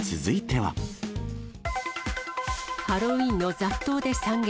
ハロウィーンの雑踏で惨劇。